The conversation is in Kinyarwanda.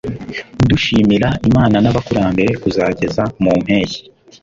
dushimira imana n'abakurambere kuzageza mu mpeshyi